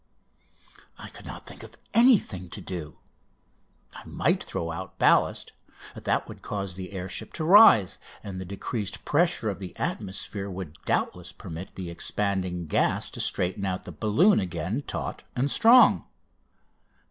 I could not think of anything to do. I might throw out ballast. That would cause the air ship to rise, and the decreased pressure of the atmosphere would doubtless permit the expanding gas to straighten out the balloon again taut and strong.